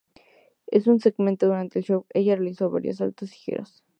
En un segmento durante el show, ella realizó varios saltos y giros.